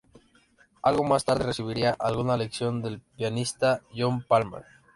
Algo más tarde, recibiría algunas lecciones del pianista John Palmer.